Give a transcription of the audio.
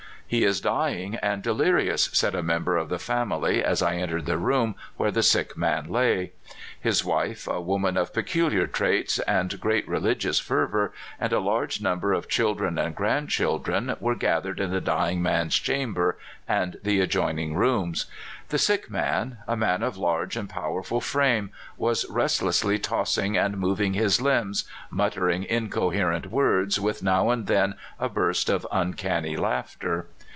'* He is dying and delirious," said a member of the family as I entered the room where the sick man lay. His wife, a woman of peculiar traits and great religious fervor, and a large number of 324 CALIFORNIA SKETCHES. children and grandchildren were gathered in the dying man's chamber and the adjoining rooms. The sick man — a man of large and powerful frame — was restlessly tossing and moving his limbs, mut tering incoherent words, with now and then a burst of uncanny laughter.